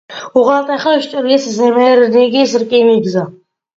უღელტეხილს ჭრის ზემერინგის რკინიგზა.